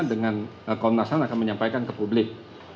dengan komnas ham akan menyampaikan ke publik